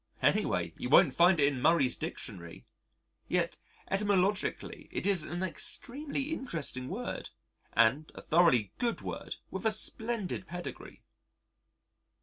Anyway you won't find it in Murray's Dictionary; yet etymologically it is an extremely interesting word and a thoroughly good word with a splendid pedigree.